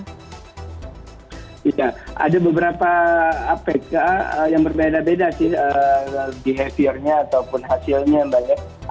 bisa ada beberapa aplikasi yang berbeda beda sih behavior nya ataupun hasilnya mbak